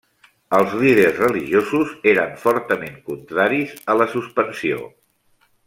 Els líders religiosos eren fortament contraris a la suspensió.